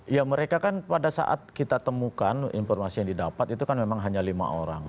ya mereka kan pada saat kita temukan informasi yang didapat itu kan memang hanya lima orang